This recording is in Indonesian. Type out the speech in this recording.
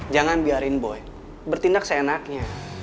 jangan biarin boy bertindak seenaknya